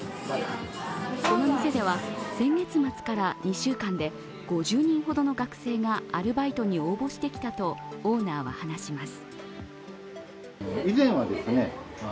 この店では、先月末から２週間で５０人ほどの学生がアルバイトに応募してきたとオーナーは話します。